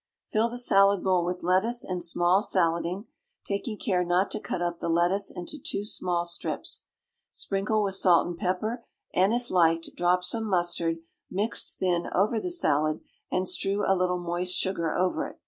Fill the salad bowl with lettuce and small salading, taking care not to cut up the lettuce into too small strips. Sprinkle with salt and pepper, and, if liked, drop some mustard, mixed thin, over the salad, and strew a little moist sugar over it.